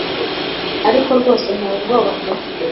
ariko rwose unteye ubwoba pe